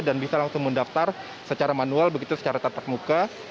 dan bisa langsung mendaftar secara manual begitu secara tatap muka